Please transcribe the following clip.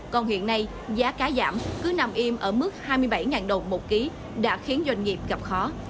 còn hiện nay giá cá giảm cứ nằm im ở mức hai mươi bảy đồng một ký đã khiến doanh nghiệp gặp khó